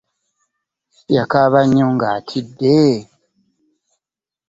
Yakaaba nnyo nga atidde.